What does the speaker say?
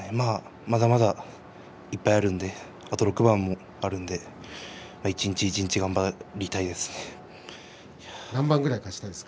まだまだいっぱいあるのであと６番もあるので一日一日頑張りたいです。